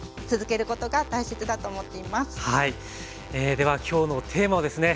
では今日のテーマをですね